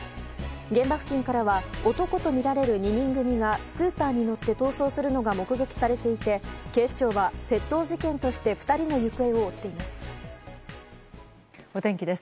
現場付近からは男とみられる２人組がスクーターに乗って逃走するのが目撃されていて警視庁は窃盗事件として２人の行方を追っています。